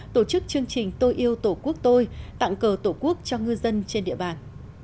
tổ chức chương trình tôi yêu tổ quốc tôi tặng cờ tổ quốc cho ngư dân trên địa bàn